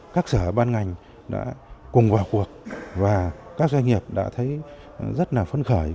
các sở ban ngành đã cùng vào cuộc và các doanh nghiệp đã thấy rất là phấn khởi